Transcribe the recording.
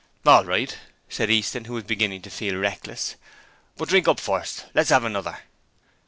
'All right,' said Easton, who was beginning to feel reckless. 'But drink up first, and let's 'ave another.'